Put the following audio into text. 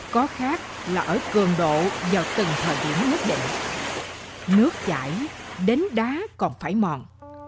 có khác là ở cường độ vào từng thời điểm nhất định nước chảy đến đá còn phải mòn